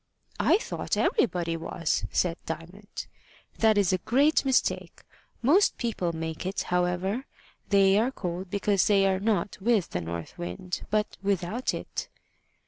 "I thought everybody was," said Diamond. "That is a great mistake. Most people make it, however. They are cold because they are not with the north wind, but without it."